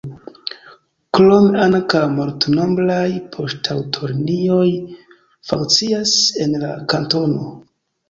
Krome ankaŭ multnombraj poŝtaŭtolinioj funkcias en la kantono.